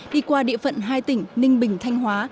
đi qua địa phận hai tỉnh ninh bình thanh hóa